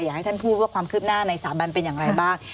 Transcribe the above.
ให้ท่านพูดว่าความคืบหน้าในสาบันเป็นอย่างไรบ้าง